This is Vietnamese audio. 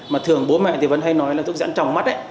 mà thường bố mẹ thì vẫn hay nói là thuốc giãn tròng mắt